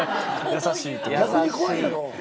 優しい。